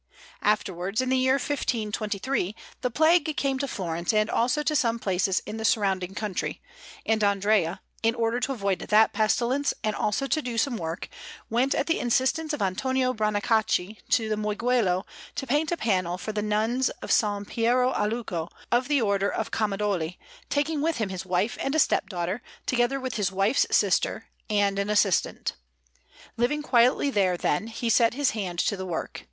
Afterwards, in the year 1523, the plague came to Florence and also to some places in the surrounding country; and Andrea, in order to avoid that pestilence and also to do some work, went at the instance of Antonio Brancacci to the Mugello to paint a panel for the Nuns of S. Piero a Luco, of the Order of Camaldoli, taking with him his wife and a stepdaughter, together with his wife's sister and an assistant. Living quietly there, then, he set his hand to the work.